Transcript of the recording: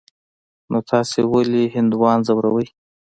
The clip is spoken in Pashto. نو تاسې ولي هندوان ځوروئ.